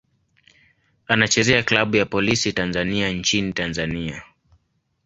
Anachezea klabu ya Polisi Tanzania nchini Tanzania.